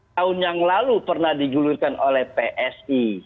tahun yang lalu pernah digulirkan oleh psi